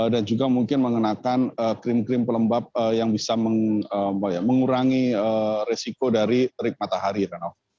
dan juga mungkin mengenakan krim krim pelembab yang bisa mengurangi resiko dari terik matahari ya eranof